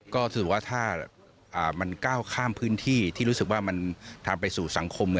ก็คือว่าถ้ามันก้าวข้ามพื้นที่ที่รู้สึกว่ามันทำไปสู่สังคม